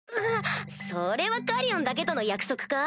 それはカリオンだけとの約束か？